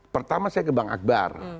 pertama saya ke bang akbar